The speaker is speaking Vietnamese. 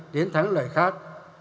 đến thắng lợi khác